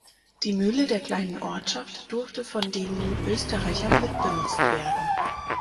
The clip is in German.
Die Mühle der kleinen Ortschaft durfte von den nun Österreichern mitbenutzt werden.